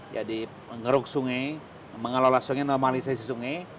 jadi mengeruk sungai mengelola sungai normalisasi sungai